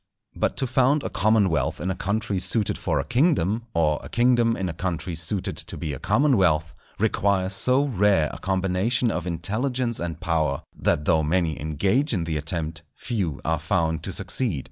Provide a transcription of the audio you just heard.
But to found a commonwealth in a country suited for a kingdom, or a kingdom in a country suited to be a commonwealth, requires so rare a combination of intelligence and power, that though many engage in the attempt, few are found to succeed.